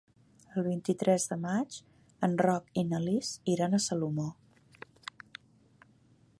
El vint-i-tres de maig en Roc i na Lis iran a Salomó.